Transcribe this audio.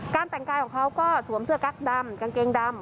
แต่งกายของเขาก็สวมเสื้อกั๊กดำกางเกงดำ